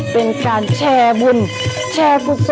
เป็นการแชร์บุญแชร์ปุกษา